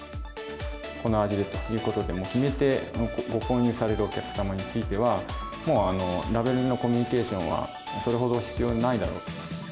この味でということで、もう決めてご購入されるお客様については、もうラベルのコミュニケーションは、それほど必要ないだろうと。